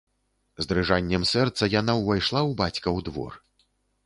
З дрыжаннем сэрца яна ўвайшла ў бацькаў двор.